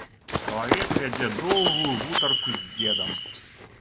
Чалавек вядзе доўгую гутарку з дзедам.